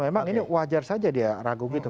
memang ini wajar saja dia ragu gitu